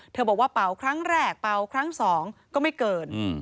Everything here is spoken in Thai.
บอกว่าเป่าครั้งแรกเป่าครั้งสองก็ไม่เกิน